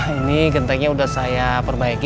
ini gentengnya sudah saya perbaiki